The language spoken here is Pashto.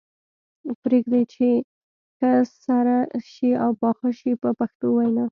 پرېږدي یې چې ښه سره شي او پاخه شي په پښتو وینا.